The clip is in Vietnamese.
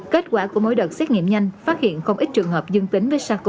kết quả của mỗi đợt xét nghiệm nhanh phát hiện không ít trường hợp dương tính với sars cov hai